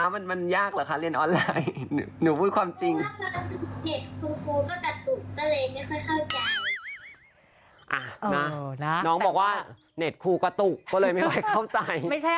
ไม่ใช่อะไรพี่แจ๊คล่าวีดีโอคอลโทรหานะคะ